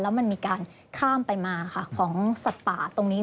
แล้วมันมีการข้ามไปมาค่ะของสัตว์ป่าตรงนี้